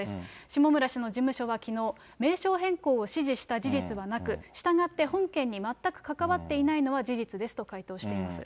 下村氏の事務所はきのう、名称変更を指示した事実はなく、したがって、本件に全く関わっていないのは事実ですと回答しています。